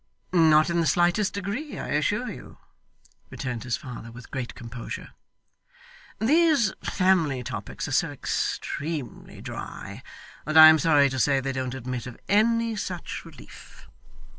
'Not in the slightest degree, I assure you,' returned his father with great composure. 'These family topics are so extremely dry, that I am sorry to say they don't admit of any such relief.